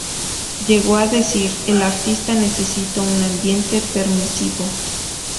Llegó a decir: ""El artista necesita un ambiente permisivo.